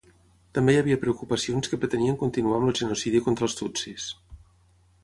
També hi havia preocupacions que pretenien continuar amb el genocidi contra els tutsis.